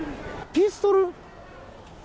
ピストル？